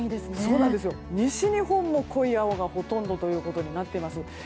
西日本も濃い青がほとんどになっています。